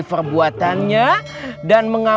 public karena tepatnya